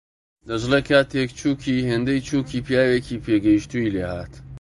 دەشڵێ کاتێک چووکی هێندەی چووکی پیاوێکی پێگەیشتووی لێهات